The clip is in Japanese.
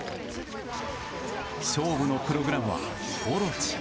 勝負のプログラムは大蛇。